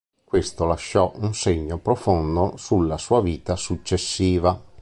Questo lasciò un segno profondo sulla sua vita successiva.